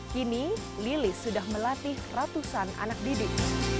kini lilis sudah melatih ratusan anak didik